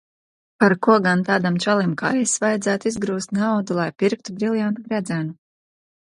Par ko gan tādam čalim kā es vajadzētu izgrūst naudu, lai pirktu briljanta gredzenu?